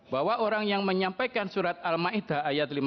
bahwa orang yang menyampaikan surat al ma'idah lima puluh satu